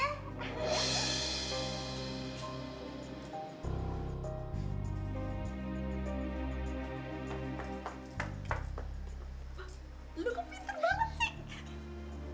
lu kan pinter banget sih